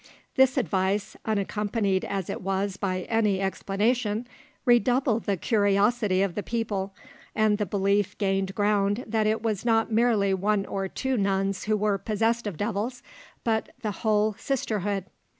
This advice, unaccompanied as it was by any explanation, redoubled the curiosity of the people, and the belief gained ground that it was not merely one or two nuns who were possessed of devils, but the whole sisterhood.